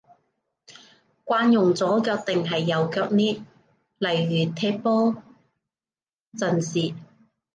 慣用左腳定係右腳呢？例如踢波陣時